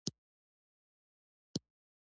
ډيپلومات د هېواد پېغام نړیوالو ته رسوي.